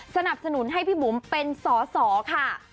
สนับสนุนให้พี่บุ๋มเป็นสอสอค่ะ